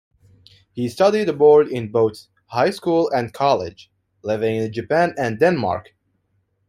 He studied abroad in both high school and college, living in Japan and Denmark.